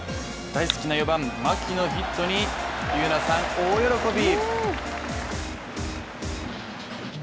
大好きな４番・牧のヒットに優来さん大喜び！